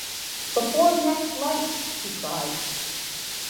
“Before the next light!” he cried.